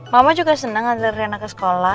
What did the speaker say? mama juga senang antar rhena ke sekolah